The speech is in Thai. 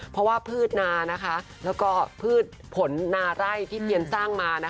เพราะว่าพืชนาและพืชผลนาร่ายที่เปลี่ยนสร้างมา